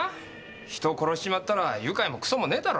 人を殺しちまったら愉快もクソもねーだろ。